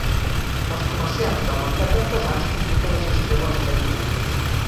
Els comerciants del mercat d'artesans compliquen la gestió de l'espai públic.